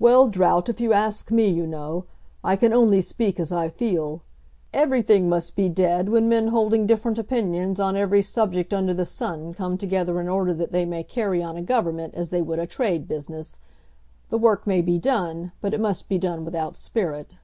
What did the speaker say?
"Well, Drought, if you ask me, you know, I can only speak as I feel. Everything must be dead when men holding different opinions on every subject under the sun come together in order that they may carry on a government as they would a trade business. The work may be done, but it must be done without spirit."